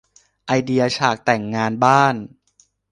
ไอเดียฉากแต่งงานบ้าน